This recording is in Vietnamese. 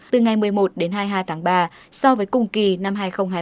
từ ngày một mươi một đến hai mươi hai tháng ba so với cùng kỳ năm hai nghìn hai mươi hai